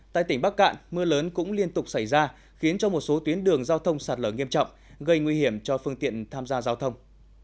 tại tỉnh bắc cạn mưa lớn cũng liên tục xảy ra khiến cho một số tuyến đường giao thông sạt lở nghiêm trọng gây nguy hiểm cho phương tiện tham gia giao thông